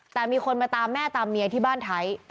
แต่มีคนมาตามแม่ตามเมียที่บ้านไทย